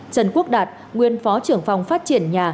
trần quốc đạt nguyên phó trưởng phòng phát triển nhà